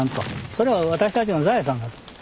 それは私たちの財産だと。